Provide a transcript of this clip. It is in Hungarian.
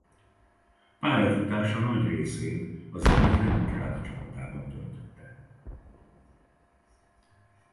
Pályafutása nagy részét a Zenyit Leningrád csapatában töltötte.